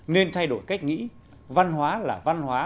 nên thay đổi cách nghĩ văn hóa là văn hóa